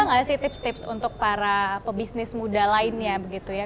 oke tapi ada gak sih tips tips untuk para pebisnis muda lainnya begitu ya